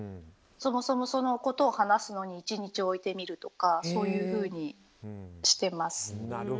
そもそもそのことを話すのに１日置いてみるとかしてます。